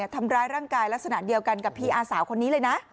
ทำร้ายร่างกายลักษณะเดียวกันกับพี่อาสาวคนนี้เลยนะ